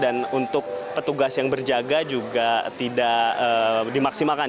dan untuk petugas yang berjaga juga tidak dimaksimalkan